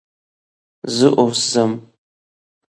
زه اوس ځم .